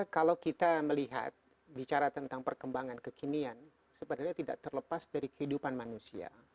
kalau kita melihat bicara tentang perkembangan kekinian sebenarnya tidak terlepas dari kehidupan manusia